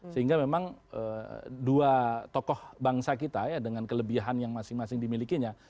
sehingga memang dua tokoh bangsa kita ya dengan kelebihan yang masing masing dimilikinya